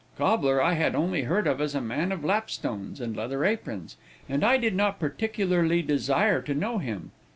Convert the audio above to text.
Cobbler I had only heard of as a man of lapstones and leather aprons, and I did not particularly desire to know him.